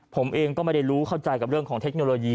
ผมเองก็ไม่ได้รู้เข้าใจกับเรื่องของเทคโนโลยี